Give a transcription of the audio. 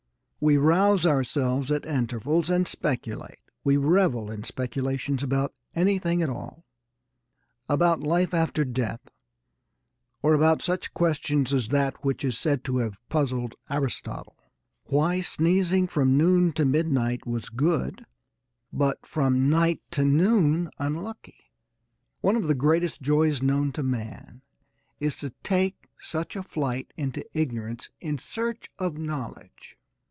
We rouse ourselves at intervals and speculate. We revel in speculations about anything at all about life after death or about such questions as that which is said to have puzzled Aristotle, "why sneezing from noon to midnight was good, but from night to noon unlucky." One of the greatest joys known to man is to take such a flight into ignorance in search of knowledge.